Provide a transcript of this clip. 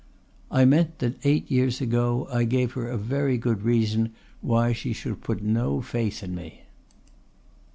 "I meant that eight years ago I gave her a very good reason why she should put no faith in me."